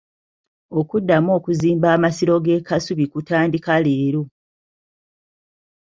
Okuddamu okuzimba amasiro g'e Kasubi kutandika leero.